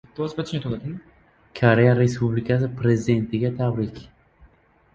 Koreya Respublikasi Prezidentiga tabrik